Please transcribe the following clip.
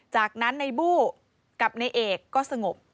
จากนั้นในบู้กับในเอกก็สงบ